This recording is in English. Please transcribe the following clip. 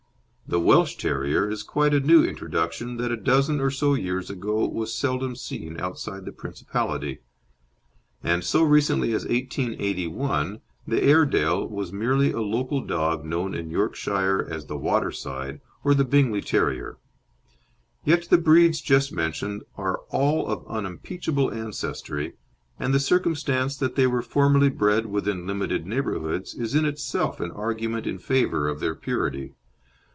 The Welsh Terrier is quite a new introduction that a dozen or so years ago was seldom seen outside the Principality; and so recently as 1881 the Airedale was merely a local dog known in Yorkshire as the Waterside or the Bingley Terrier. Yet the breeds just mentioned are all of unimpeachable ancestry, and the circumstance that they were formerly bred within limited neighbourhoods is in itself an argument in favour of their purity.